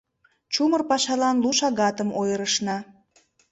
Чумыр пашалан лу шагатым ойырышна.